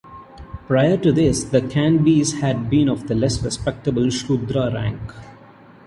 Prior to this, the Kanbis had been of the less respectable Shudra rank.